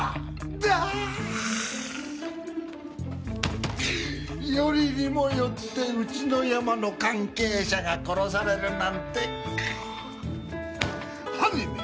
だぁよりにもよってうちのヤマの関係者が殺されるなんてクッ犯人め！